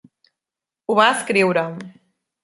Ho va escriure.